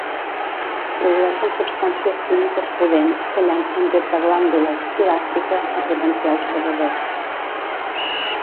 Produeixen substàncies químiques pudents, que llancen des de glàndules toràciques a potencials predadors.